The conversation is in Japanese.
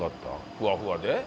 ふわふわで？